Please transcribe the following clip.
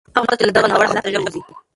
انا غوښتل چې له دغه ناوړه حالته ژر ووځي.